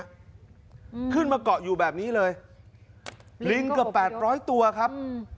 อืมขึ้นมาเกาะอยู่แบบนี้เลยลิงเกือบแปดร้อยตัวครับอืม